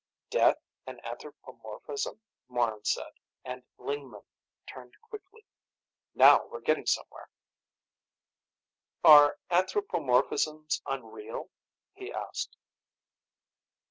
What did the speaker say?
"Death an anthropomorphism!" Morran said, and Lingman turned quickly. "Now we're getting somewhere!" "Are anthropomorphisms unreal?" he asked.